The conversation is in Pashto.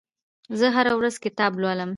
زه هره ورځ کتاب لولم.